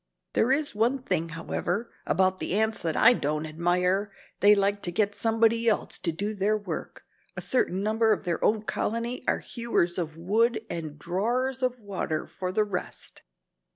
"There is one thing, however, about the ants that I don't admire. They like to get somebody else to do their work. A certain number of their own colony are 'hewers of wood and drawers of water' for the rest.